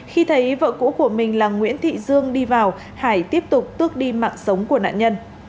khi thấy vợ cũ của mình là nguyễn thị dương đi vào hải tiếp tục tước đi mạng sống của nạn nhân